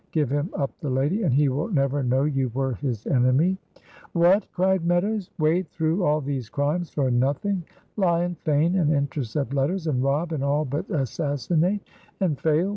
Give him up the lady, and he will never know you were his enemy." "What!" cried Meadows, "wade through all these crimes for nothing? Lie and feign, and intercept letters, and rob and all but assassinate and fail?